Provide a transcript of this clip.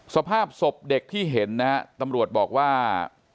สภาพศพเด็กที่เห็นนะฮะตำรวจบอกว่า